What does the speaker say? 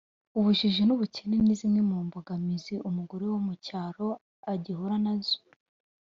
ubujiji n’ubukene ni zimwe mu mbogamizi umugore wo mu cyaro agihura nazo